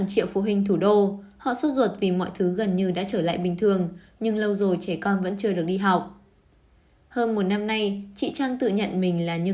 chị trang nói